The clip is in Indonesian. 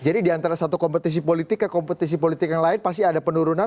jadi di antara satu kompetisi politik ke kompetisi politik yang lain pasti ada penurunan